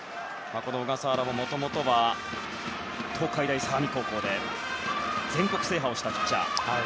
小笠原ももともとは東海大相模高校で全国制覇をしたピッチャー。